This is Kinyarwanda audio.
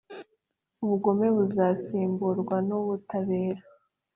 Ubugome buzasimburwa n’ubutabera